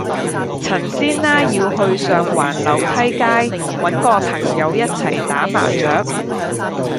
陳師奶要去上環樓梯街搵個朋友一齊打麻雀